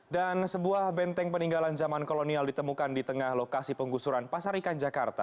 dan sebuah benteng peninggalan zaman kolonial ditemukan di tengah lokasi penggusuran pasar ikan jakarta